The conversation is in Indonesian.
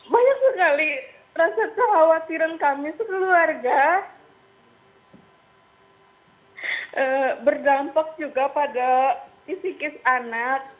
banyak sekali rasa kekhawatiran kami sebagai keluarga berdampak juga pada fisikis anak